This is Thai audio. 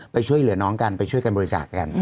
ไปช่วยเหลือน้องกันไปช่วยกันบริจาคกัน